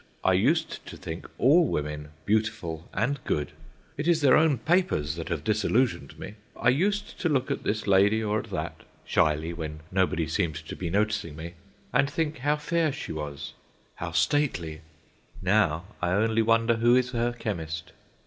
I used to think all women beautiful and good. It is their own papers that have disillusioned me. I used to look at this lady or at that—shyly, when nobody seemed to be noticing me—and think how fair she was, how stately. Now I only wonder who is her chemist.